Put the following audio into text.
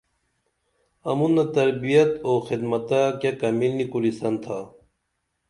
امُنہ تربِیت او خدمتہ کیہ کمی نی کُرِسن تھا